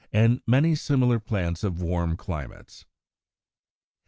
114), and many similar plants of warm climates.